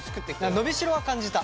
伸びしろは感じた。